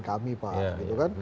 memberatkan kami pak